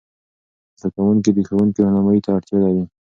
زده کوونکي د ښوونکې رهنمايي ته اړتیا لري.